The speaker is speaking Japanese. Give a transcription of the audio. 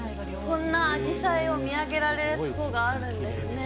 こんなアジサイを見上げられる所があるんですね。